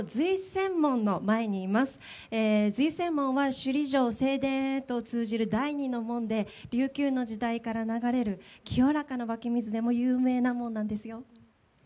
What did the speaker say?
瑞泉門は首里城正殿へと通じる第２の門で琉球の時代から流れる清らかな湧き水でも有名な門なんですよ。